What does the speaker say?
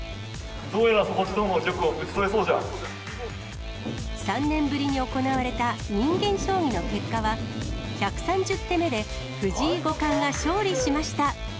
どうやら佐々木殿の玉を討ち３年ぶりに行われた人間将棋の結果は、１３０手目で藤井五冠が勝利しました。